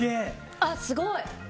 ああ、すごい。